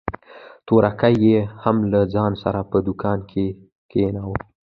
تورکى يې هم له ځان سره په دوکان کښې کښېناوه.